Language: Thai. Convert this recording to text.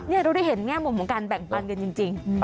นี่เราได้เห็นแง่มุมของการแบ่งปันกันจริง